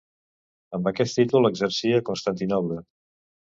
Amb aquest títol exercí a Constantinoble.